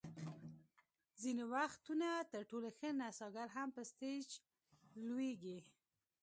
ځینې وختونه تر ټولو ښه نڅاګر هم په سټېج لویږي.